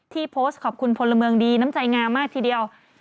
โพสต์ขอบคุณพลเมืองดีน้ำใจงามมากทีเดียว